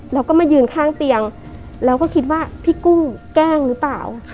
แล้วก็มายืนข้างเตียงแล้วก็คิดว่าพี่กุ้งแกล้งหรือเปล่า